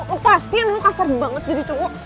lepasin lo kasar banget jadi cowok